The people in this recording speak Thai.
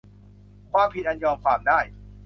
ความผิดอันยอมความได้